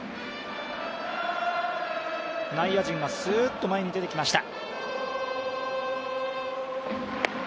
内野陣がすーっと前に出てきました。